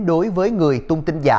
đối với người tung tin giả